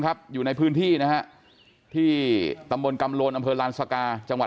อยู่ในพื้นที่นะฮะที่ตำบลกำโลนอำเภอลานสกาจังหวัด